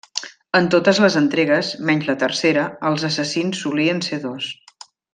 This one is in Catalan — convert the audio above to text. En totes les entregues, menys la tercera, els assassins solien ser dos.